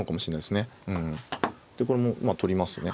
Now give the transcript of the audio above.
でこれもまあ取りますね。